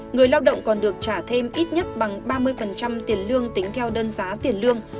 người lao động còn được trả thêm ít nhất bằng ba mươi tiền lương tính theo đơn giá tiền lương